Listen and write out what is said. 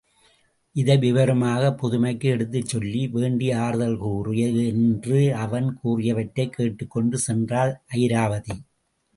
இதை விவரமாகப் பதுமைக்கு எடுத்துச் சொல்லி, வேண்டிய ஆறுதல் கூறு என்று அவன் கூறியவற்றைக் கேட்டுக்கொண்டு சென்றாள் அயிராபதி.